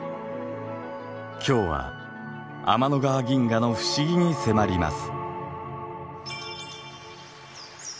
今日は天の川銀河の不思議に迫ります。